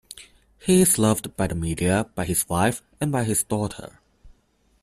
He is loved by the media, by his wife, and by his daughter.